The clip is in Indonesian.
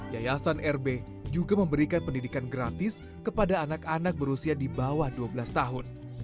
yayasan rb juga memberikan pendidikan gratis kepada anak anak berusia di bawah dua belas tahun